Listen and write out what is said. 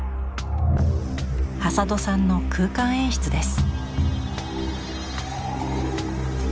挾土さんの空間演出です。